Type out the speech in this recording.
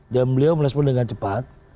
dan beliau melespon dengan cepat